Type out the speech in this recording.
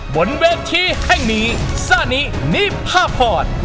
บนเวทย์ที่แห้งนี้ซานินิพพาพอร์ต